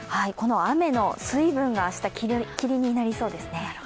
雨の水分が明日、霧になりそうですね。